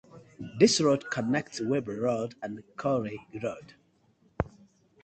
This road connects Weber Road and Corey Road.